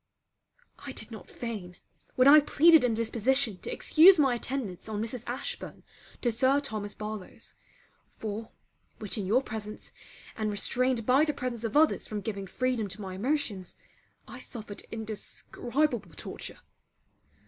I did not feign when I pleaded indisposition to excuse my attendance on Mrs. Ashburn to Sir Thomas Barlowe's; for, which in your presence and restrained by the presence of others from giving freedom to my emotions, I suffered indescribable torture.